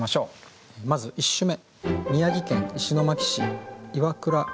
まず１首目。